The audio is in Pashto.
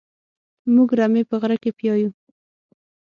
موږ رمې په غره کې پيايو.